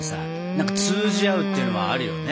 何か通じ合うっていうのはあるよね。